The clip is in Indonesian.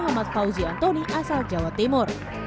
muhammad fauzi antoni asal jawa timur